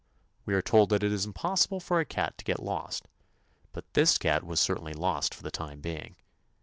We are told that it is impos 142 TOMMY POSTOFFICE sible for a cat to get lost, but this cat was certainly lost for the time be ing.